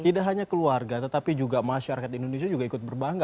tidak hanya keluarga tetapi juga masyarakat indonesia juga ikut berbangga